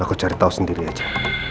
aku cari tahu sendiri aja